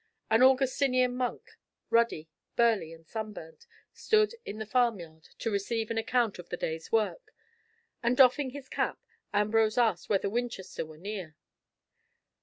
An Augustinian monk, ruddy, burly, and sunburnt, stood in the farm yard, to receive an account of the day's work, and doffing his cap, Ambrose asked whether Winchester were near.